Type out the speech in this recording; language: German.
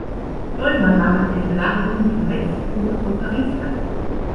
Neumann nahm an den Belagerungen von Metz, Toul und Paris teil.